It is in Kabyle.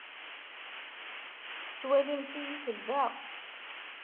Tettwalimt-iyi selbeɣ?